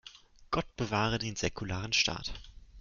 Gott bewahre den säkularen Staat!